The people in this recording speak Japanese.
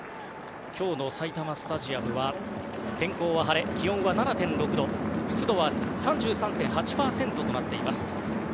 今日の埼玉スタジアムは天候は晴れ気温は７．６度湿度は３３．８％となっています。